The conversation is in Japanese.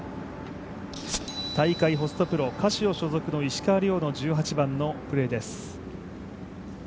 大会ホストプロ、カシオ所属の石川遼の１８番のプレーです。